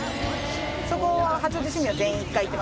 そこは八王子市民は全員１回行ってます。